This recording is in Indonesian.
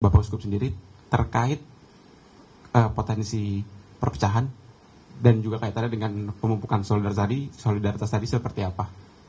bapak uskup sendiri terkait potensi perpecahan dan juga kaitannya dengan pemumpukan solidar tadi solidaritas tadi seperti apa